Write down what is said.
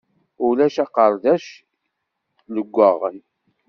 Ulac aqerdac leggaɣen.